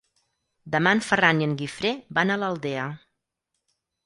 Demà en Ferran i en Guifré van a l'Aldea.